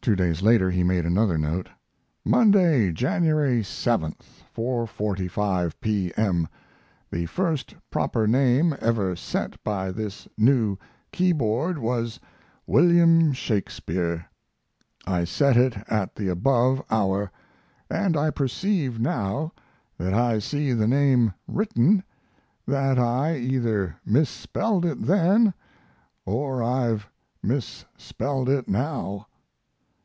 Two days later he made another note: Monday, January 7 4.45 P.m. The first proper name ever set by this new keyboard was William Shakspeare. I set it at the above hour; & I perceive, now that I see the name written, that I either misspelled it then or I've misspelled it now.